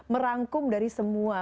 merangkum dari semua